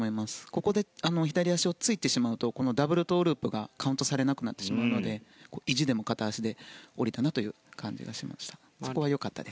ここで左足をついてしまうとダブルトウループが、カウントされなくなってしまうので意地でも片足で降りたという感じがしました。